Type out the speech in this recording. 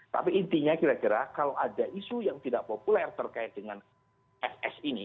tapi intinya kira kira kalau ada isu yang tidak populer terkait dengan fs ini